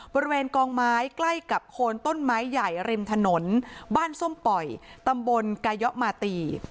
บริเวณกองไม้ใกล้กับโคนต้นไม้ใหญ่ริมถนนบ้านส้มป่อยตำบลกายะมาตี